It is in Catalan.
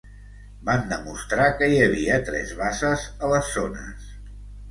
Van demostrar que hi havia tres basses a les zones.